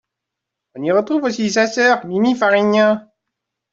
On y retrouve aussi sa sœur, Mimi Fariña.